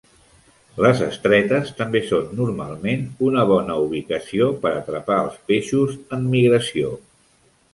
Les estretes també són normalment una bona ubicació per atrapar els peixos en migració.